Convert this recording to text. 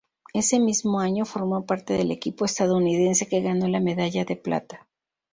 Ese mismo año, formó parte del equipo estadounidense que ganó la medalla de plata.